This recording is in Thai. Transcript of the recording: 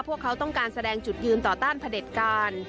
พวกเขาต้องการแสดงจุดยืนต่อต้านพระเด็จการ